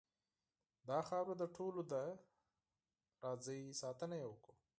داخاوره دټولو ډ ه ده راځئ ساتنه یې وکړو .